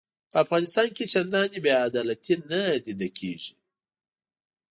په افغانستان کې چنداني بې عدالتي نه لیده کیږي.